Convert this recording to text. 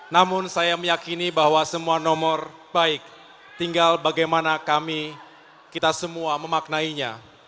namun saya meyakini bahwa semua nomor baik tinggal bagaimana kami kita semua memaknainya